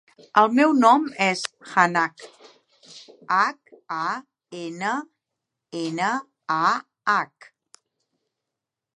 El meu nom és Hannah: hac, a, ena, ena, a, hac.